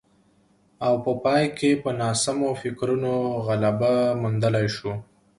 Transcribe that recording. او په پای کې په ناسمو فکرونو غلبه موندلای شو